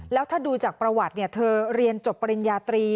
แล้วถ้าดูจากประวัติเธอเรียนจบปริญญาตรี